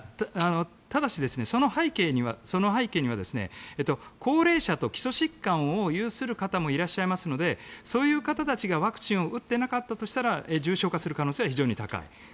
ただし、その背景には高齢者と基礎疾患を有する方もいらっしゃいますのでそういう方たちがワクチンを打っていなかったとしたら重症化する可能性は非常に高い。